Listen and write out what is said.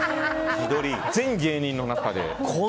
全芸人の中で。